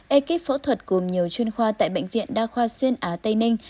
ekip phẫu thuật gồm nhiều chuyên khoa tại bệnh viện đa khoa xuyên á tây ninh